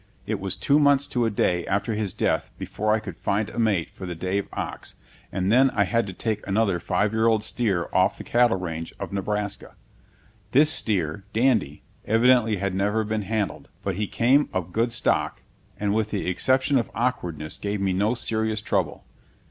It was two months to a day after his death before I could find a mate for the Dave ox, and then I had to take another five year old steer off the cattle range of Nebraska. This steer, Dandy, evidently had never been handled; but he came of good stock and, with the exception of awkwardness, gave me no serious trouble.